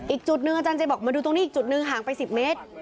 อีกจุดหนึ่งอาจารย์เจบอกมาดูตรงนี้อีกจุดหนึ่งห่างไป๑๐เมตร